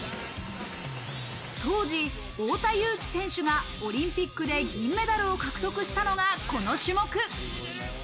当時、太田雄貴選手がオリンピックで銀メダルを獲得したのがこの種目。